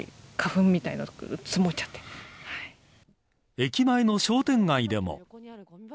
駅前の商店街でも。